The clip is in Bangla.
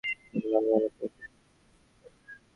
তিনি বাংলার অন্যতম শ্রেষ্ঠ পাঁচালীকার।